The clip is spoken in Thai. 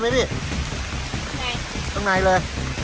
มันอยู่ตรงนี้